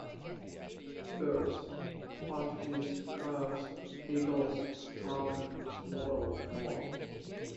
Of birds: partridges, crows, eagles, starling, swallow and more.